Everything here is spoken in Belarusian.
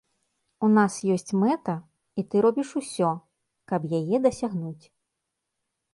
У нас ёсць мэта, і ты робіш усё, каб яе дасягнуць.